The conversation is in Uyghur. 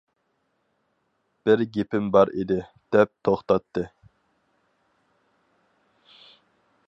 «بىر گېپىم بار ئىدى» دەپ توختاتتى.